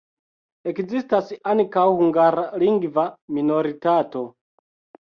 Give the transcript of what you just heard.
Ekzistas ankaŭ hungarlingva minoritato.